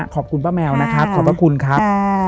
ขอบคุณป้าแมวนะครับขอบพระคุณครับ